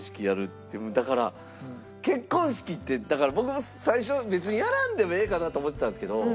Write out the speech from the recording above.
だから結婚式ってだから僕も最初別にやらんでもええかなと思ってたんですけど。